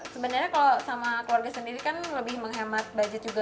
sebenarnya kalau sama keluarga sendiri kan lebih menghemat budget juga